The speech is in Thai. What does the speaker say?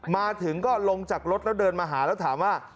มาถึงก็ลงจากรถแล้วเดินมาหาแล้วถามว่า